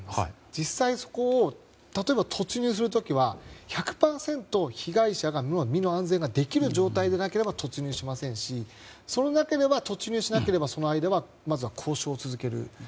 実際、例えば突入する時は１００％被害者の身の安全ができる状態でなければ突入しませんし突入しなければその間は、まずは交渉を続ける。